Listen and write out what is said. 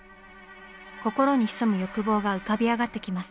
心に潜む欲望が浮かび上がってきます。